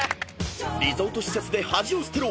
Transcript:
［リゾート施設で恥を捨てろ！